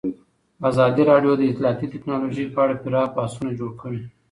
ازادي راډیو د اطلاعاتی تکنالوژي په اړه پراخ بحثونه جوړ کړي.